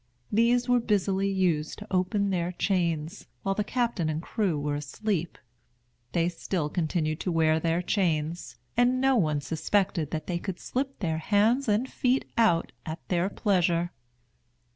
These were busily used to open their chains, while the captain and crew were asleep. They still continued to wear their chains, and no one suspected that they could slip their hands and feet out at their pleasure.